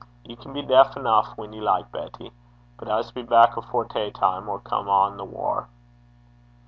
Ye can be deif eneuch when ye like, Betty. But I s' be back afore tay time, or come on the waur.'